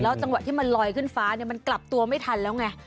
จังหวะที่มันลอยขึ้นฟ้ามันกลับตัวไม่ทันแล้วไง